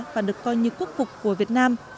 và được coi như quốc phục của việt nam